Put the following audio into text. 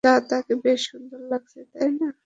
তাকে বেশ সুন্দর লাগছে, তাই না?